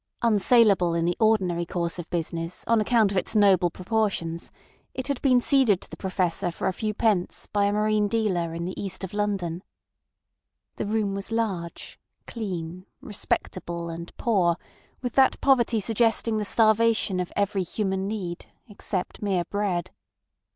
Unsaleable in the ordinary course of business on account of its noble proportions, it had been ceded to the Professor for a few pence by a marine dealer in the east of London. The room was large, clean, respectable, and poor with that poverty suggesting the starvation of every human need except mere bread.